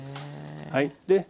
はい。